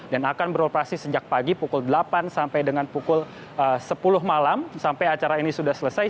dan akan beroperasi sejak pagi pukul delapan sampai dengan pukul sepuluh malam sampai acara ini sudah selesai